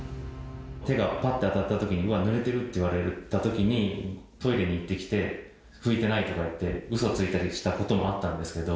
手がぱって当たったときに、うわ、ぬれてるって言われたときに、トイレに行ってきて、拭いてないって言ってうそついたりしたこともあったんですけど。